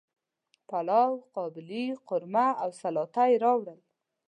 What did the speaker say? پلاو، قابلی، قورمه او سلاطه یی راوړل